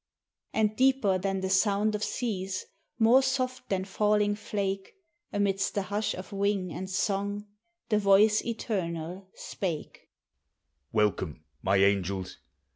And deeper than the sound of seas, more soft than falling flake, Amidst the hush of wing and song the Voice Eternal spake: "Welcome, my angels!